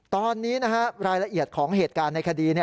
ตอนนี้รายละเอียดของเหตุการณ์ในคดี